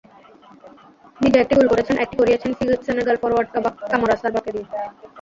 নিজে একটি গোল করেছেন, একটি করিয়েছেন সেনেগাল ফরোয়ার্ড কামারা সারবাকে দিয়ে।